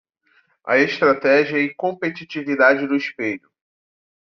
A estratégia e competitividade do espelho